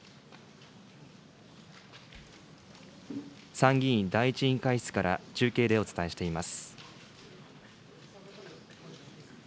参議院第１委員会室から中継でお伝えしています。